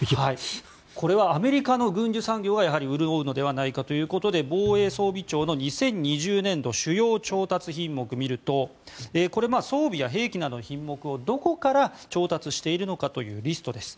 これはアメリカの軍需産業がやはり潤うのではないかということで防衛装備庁の２０２０年度主要調達品目を見ると装備や兵器などの品目をどこから調達しているのかというリストです。